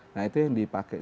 nah itu yang dipakai